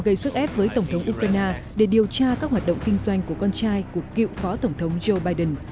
gây sức ép với tổng thống ukraine để điều tra các hoạt động kinh doanh của con trai của cựu phó tổng thống joe biden